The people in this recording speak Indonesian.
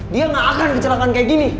dia nggak akan kecelakaan kayak gini